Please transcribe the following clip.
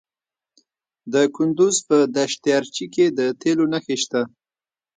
د کندز په دشت ارچي کې د تیلو نښې شته.